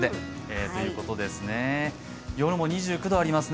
夜も２９度あります。